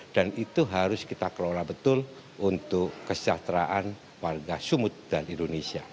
dan itu harus kita kelola betul untuk kesejahteraan warga sumut dan indonesia